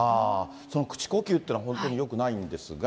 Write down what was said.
その口呼吸というのは、本当によくないんですが。